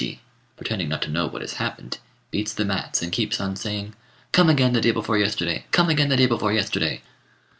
Chokichi, pretending not to know what has happened, beats the mats, and keeps on saying, "Come again the day before yesterday; come again the day before yesterday."